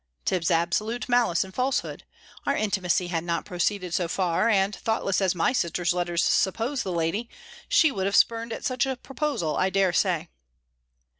"'Tis absolute malice and falsehood. Our intimacy had not proceeded so far; and, thoughtless as my sister's letters suppose the lady, she would have spurned at such a proposal, I dare say."